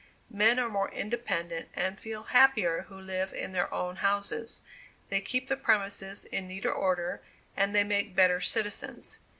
Men are more independent and feel happier who live in their own houses; they keep the premises in neater order, and they make better citizens.